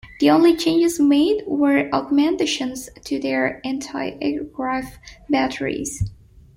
The only changes made were augmentations to their anti-aircraft batteries.